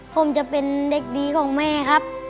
ผมจะเป็นเด็กดีของแม่ครับ